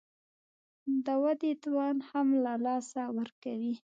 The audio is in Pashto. د ودې توان هم له لاسه ورکوي